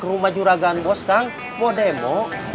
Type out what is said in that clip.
rumah juragan bos kang mau demo